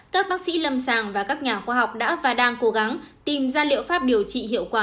các bác sĩ lâm sàng và các nhà khoa học đã và đang cố gắng tìm ra liệu pháp điều trị hiệu quả